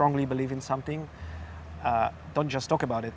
jangan hanya berbicara tentangnya lakukan